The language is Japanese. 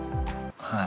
はい。